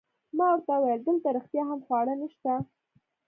ما ورته وویل: دلته رښتیا هم خواړه نشته؟